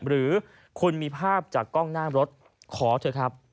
หรือคุณมีภาพจากกล้องหน้ารถขอเถอะครับ